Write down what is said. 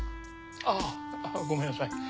あぁごめんなさい。